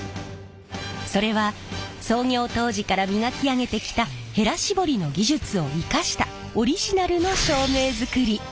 それは創業当時から磨き上げてきたへら絞りの技術を生かしたオリジナルの照明づくり。